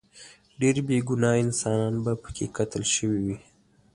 ډیر بې ګناه انسانان به پکې قتل شوي وي.